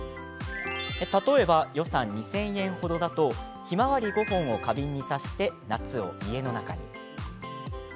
例えば、予算２０００円程だとヒマワリ５本を花瓶に挿して夏を家の中に。